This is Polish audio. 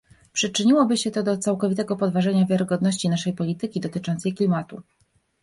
Przyczyniłoby się to do całkowitego podważenia wiarygodności naszej polityki dotyczącej klimatu